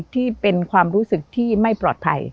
ที่เป็นความรู้สึกที่ไม่ปลอดภัย